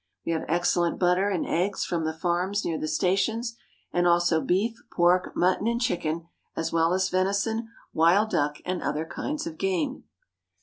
We have excellent butter and eggs from the farms near the stations, and also beef, pork, mutton, and chicken, as well as venison, wild duck, and other kinds of game.